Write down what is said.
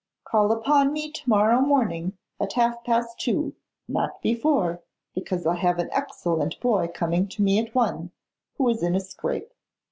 Call upon me to morrow morning, at half past two; not before, because I have an excellent boy coming to me at one, who is in a scrape.